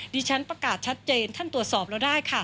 ฉันประกาศชัดเจนท่านตรวจสอบเราได้ค่ะ